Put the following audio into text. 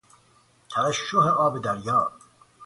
ترشح آب دریا